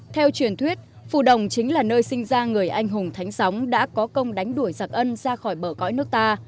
theo truyền thuyết phù đồng chính là nơi sinh ra người anh hùng thánh sóng đã có công đánh đuổi giặc ân ra khỏi bờ cõi nước ta